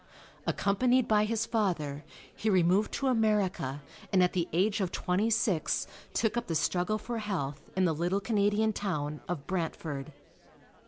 Accompanied by his father, he removed to America and at the age of twenty six took up the struggle for health in the little Canadian town of Brantford.